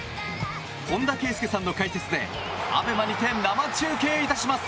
本田圭佑さんの解説でＡＢＥＭＡにて生中継いたします。